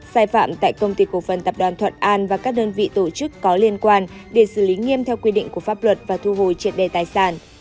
sai phạm tại công ty cổ phần tập đoàn thuận an và các đơn vị tổ chức có liên quan để xử lý nghiêm theo quy định của pháp luật và thu hồi triệt đề tài sản